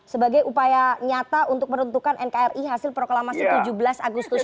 sebagai upaya nyata untuk menentukan nkri hasil proklamasi tujuh belas agustus